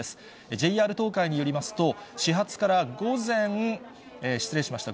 ＪＲ東海によりますと、始発から午前、失礼しました。